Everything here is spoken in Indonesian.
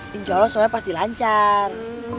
tinjau lo semuanya pasti lancar